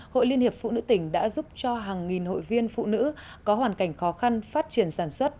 hội liên hiệp phụ nữ tỉnh đã giúp cho hàng nghìn hội viên phụ nữ có hoàn cảnh khó khăn phát triển sản xuất